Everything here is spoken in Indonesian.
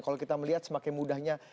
kalau kita melihat semakin mudahnya